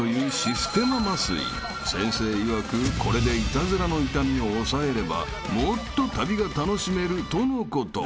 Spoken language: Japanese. ［先生いわくこれでイタズラの痛みを抑えればもっと旅が楽しめるとのこと］